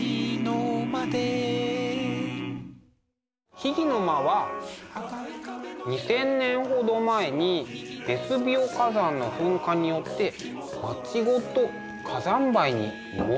秘儀の間は２，０００年ほど前にベスビオ火山の噴火によって街ごと火山灰に埋もれてしまいました。